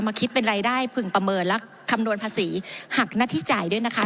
คิดเป็นรายได้พึงประเมินและคำนวณภาษีหักหน้าที่จ่ายด้วยนะคะ